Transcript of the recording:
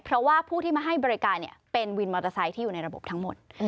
เพราะว่าผู้ที่มาให้บริการเป็นวินมอเตอร์ไซค์ที่อยู่ในระบบทั้งหมด